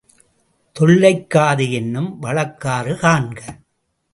தொள்ளைக் காது என்னும் வழக்காறு காண்க.